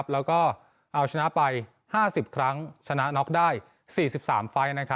แล้วก็เอาชนะไป๕๐ครั้งชนะน็อกได้๔๓ไฟล์